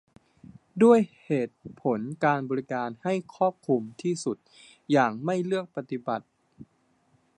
ด้วยเหตุผลการบริการให้ครอบคลุมที่สุดอย่างไม่เลือกปฏิบัติ